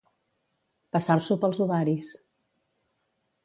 Passar-s'ho pels ovaris.